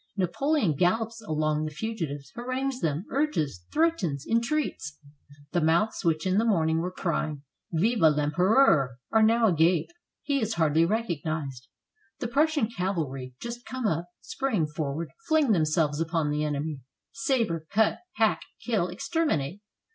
Napoleon gallops along the fugitives, harangues them, urges, threatens, entreats. The mouths, which in the morning were crying '* Vive rEmpereur," are now agape; he is hardly recognized. The Prussian cavalry, just come up, spring forward, fling themselves upon the enemy, saber, cut, hack, kill, exterminate.